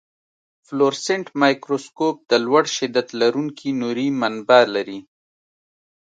فلورسنټ مایکروسکوپ د لوړ شدت لرونکي نوري منبع لري.